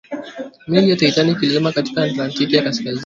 meli ya titanic ilizama katika atlantiki ya kaskazini